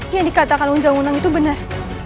yang dikatakan unjang unang itu benar